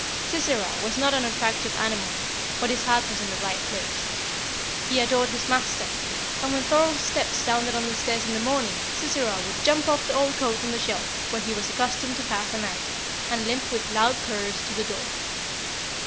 Sisera was not an attractive animal, but his heart was in the right place; he adored his master, and when Thorold's step sounded on the stairs in the morning, Sisera would jump off the old coat on the shelf, where he was accustomed to pass the night, and limp with loud purrs to the door.